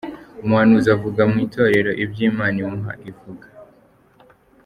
Umuhanuzi avuga mu Itorero ibyo Imana imuha ivuga.